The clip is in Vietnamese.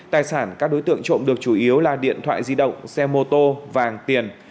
tài sản các đối tượng trộm được chủ yếu là điện thoại di động xe mô tô vàng tiền